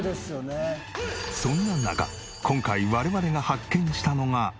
そんな中今回我々が発見したのが。